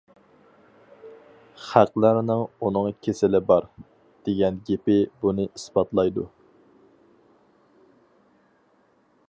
خەقلەرنىڭ ئۇنىڭ كېسىلى بار، دېگەن گېپى بۇنى ئىسپاتلايدۇ.